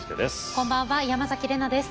こんばんは山崎怜奈です。